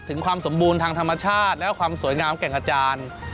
ความสมบูรณ์ทางธรรมชาติและความสวยงามแก่งอาจารย์